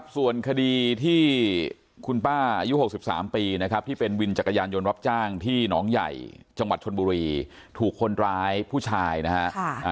ส่วนคดีที่คุณป้าอายุ๖๓ปีนะครับที่เป็นวินจักรยานยนต์รับจ้างที่หนองใหญ่จังหวัดชนบุรีถูกคนร้ายผู้ชายนะฮะ